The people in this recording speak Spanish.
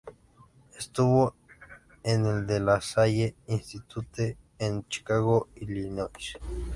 Estuvo en el De La Salle Institute en Chicago, Illinois.